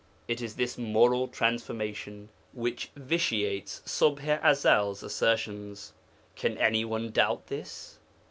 It is this moral transformation which vitiates Ṣubḥ i Ezel's assertions. Can any one doubt this?